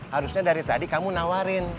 harusnya dari tadi kamu nawarin